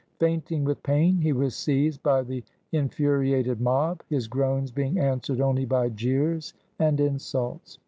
Fainting with pain, he was seized by the infu riated mob, his groans being answered only by jeers and insults.